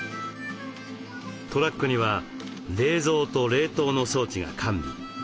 トラックには冷蔵と冷凍の装置が完備。